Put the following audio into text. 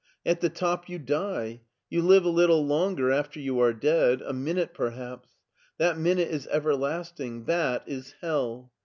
At the top you die. You live a little longer after you are dead — ^a minute perhaps. That minute is everlasting, that is hell.